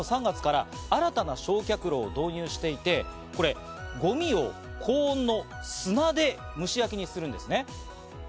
実はこちらでは去年３月から新たな焼却炉を導入していて、ゴミを高温の砂で蒸し焼きにするんですね。